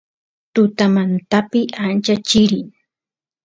tutamantapi ancha chirin